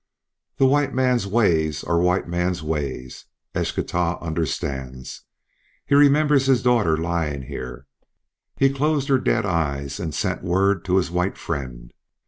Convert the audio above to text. "The white man's ways are white man's ways. Eschtah understands. He remembers his daughter lying here. He closed her dead eyes and sent word to his white friend.